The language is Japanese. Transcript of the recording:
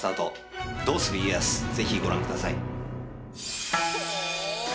是非ご覧ください。